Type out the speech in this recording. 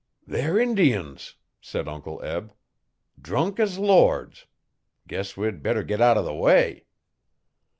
'They're Indians,' said Uncle Eb. 'Drunk as lords. Guess we'd better git out o' the way.'